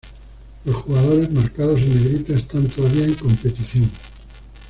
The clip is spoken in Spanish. Los jugadores marcados en negrita están todavía en competición.